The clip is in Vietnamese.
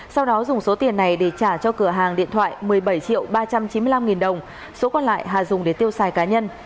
sau đó dùng số tiền này để trả cho cửa hàng điện thoại một mươi bảy triệu ba trăm chín mươi năm nghìn đồng số còn lại hà dùng để tiêu xài cá nhân